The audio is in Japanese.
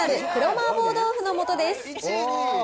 麻婆豆腐の素です。